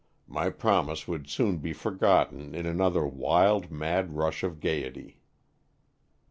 my promise would soon be forgotten in an other wild, mad rush of gayety.